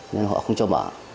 nên họ không cho mở